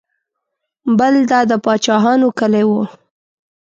بل دا د پاچاهانو کلی و.